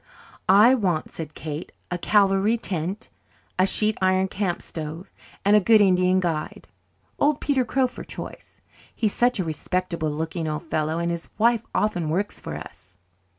"I want," said Kate, "a cavalry tent, a sheet iron camp stove, and a good Indian guide old Peter Crow for choice. He's such a respectable looking old fellow, and his wife often works for us."